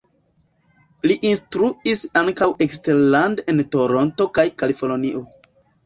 Li instruis ankaŭ eksterlande en Toronto kaj Kalifornio.